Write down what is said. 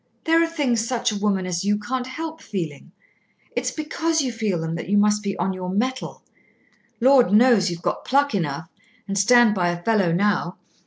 "There are things such a woman as you can't help feeling. It's because you feel them that you must be on your mettle Lord knows you've got pluck enough and stand by a fellow now.